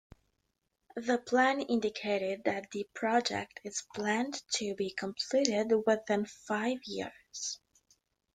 The plan indicated that the project is planned to be completed within five years.